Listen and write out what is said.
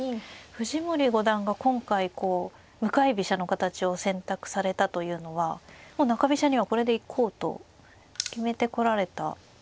藤森五段が今回こう向かい飛車の形を選択されたというのは中飛車にはこれで行こうと決めてこられた。